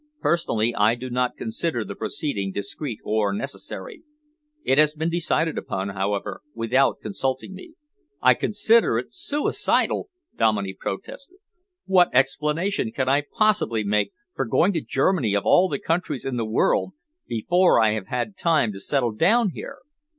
"Personally, I do not consider the proceeding discreet or necessary. It has been decided upon, however, without consulting me." "I consider it suicidal," Dominey protested. "What explanation can I possibly make for going to Germany, of all countries in the world, before I have had time to settle down here?"